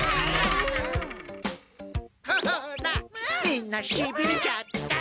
みんなしびれちゃった。